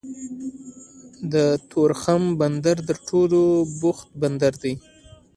د تورخم بندر تر ټولو بوخت بندر دی